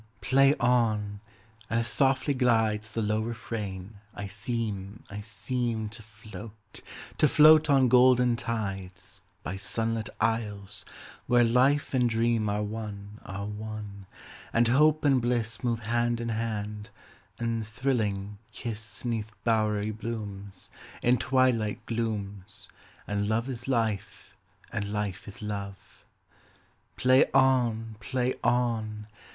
Play on! As softly glidesThe low refrain, I seem, I seemTo float, to float on golden tides, By sunlit isles, where life and dreamAre one, are one; and hope and blissMove hand in hand, and thrilling, kiss'Neath bowery blooms, In twilight glooms, And love is life, and life is love. Play on! Play on!